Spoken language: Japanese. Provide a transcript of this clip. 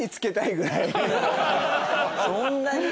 そんなに？